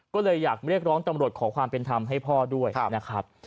ก็เลยอยากเรียกร้องตำรวจขอความเป็นธรรมให้พ่อด้วยนะครับ